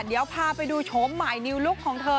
เดี๋ยวพาไปดูโฉมใหม่นิวลุคของเธอ